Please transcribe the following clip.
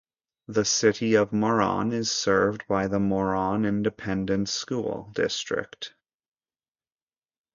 The City of Moran is served by the Moran Independent School District.